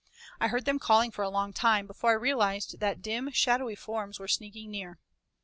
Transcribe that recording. I heard them calling for a long time before I realized that dim, shadowy forms were sneaking near.